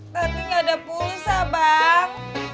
tapi gak ada pulsa bang